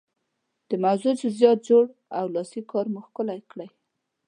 د موضوع جزئیات جوړ او لاسي کار مو ښکلی کړئ.